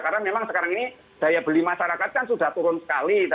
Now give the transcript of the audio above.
karena memang sekarang ini daya beli masyarakat kan sudah turun sekali